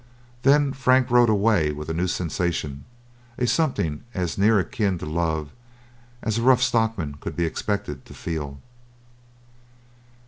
Then Frank rode away with a new sensation, a something as near akin to love as a rough stockman could be expected to feel.